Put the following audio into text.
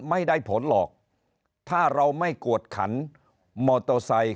ไม่ได้ผลหรอกถ้าเราไม่กวดขันมอเตอร์ไซค์